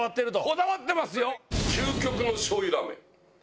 こだわってますよ